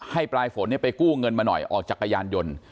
ปลายฝนไปกู้เงินมาหน่อยออกจักรยานยนต์